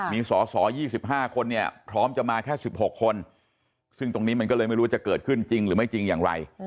มีสอสอ๒๕คนเนี่ยพร้อมจะมาแค่๑๖คนซึ่งตรงนี้มันก็เลยไม่รู้ว่าจะเกิดขึ้นจริงหรือไม่จริงอย่างไร